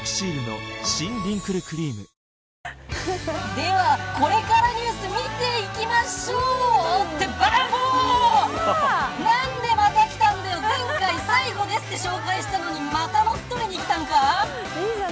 では、これからニュース見ていきましょう。ってバボ何で、また来たんだよ。前回、最後ですという紹介したのに、また来たのか。